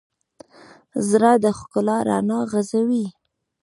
زړه د ښکلا رڼا غځوي.